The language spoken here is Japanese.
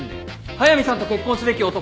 速見さんと結婚すべき男